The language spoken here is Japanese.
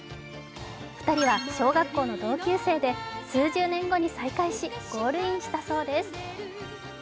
２人は小学校の同級生で、数十年後に再会しゴールインしたそうです。